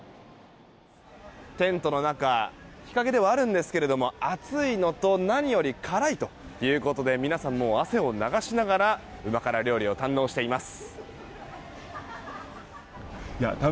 テントの中日陰ではあるんですけれども暑いのと何より辛いということで皆さん、もう汗を流しながらうま辛料理を堪能しています。